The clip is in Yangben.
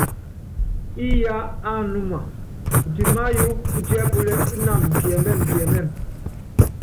Íyá ánúma, utimáyuúkú ɛ́putíɛpúlɛ́ ínanɔ kiɛmɛ́mɛ kiɛmɛ́mɛ.